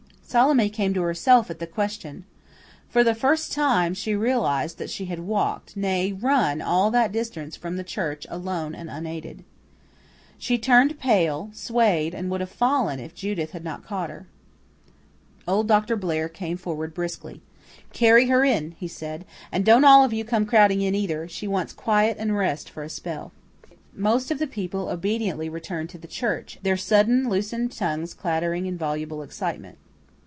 Salome came to herself at the question. For the first time, she realized that she had walked, nay, run, all that distance from the church alone and unaided. She turned pale, swayed, and would have fallen if Judith had not caught her. Old Dr. Blair came forward briskly. "Carry her in," he said, "and don't all of you come crowding in, either. She wants quiet and rest for a spell." Most of the people obediently returned to the church, their sudden loosened tongues clattering in voluble excitement.